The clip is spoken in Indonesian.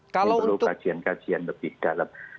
ini perlu kajian kajian lebih dalam